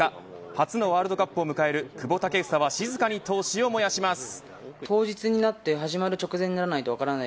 初のワールドカップを迎える久保建英は静かに闘志を燃やします。